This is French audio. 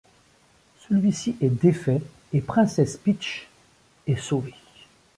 Celui-ci est défait et Princesse Peach est sauvée.